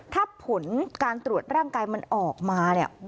ถ้าผลการตรวจร่างกายมันออกมาเนี่ย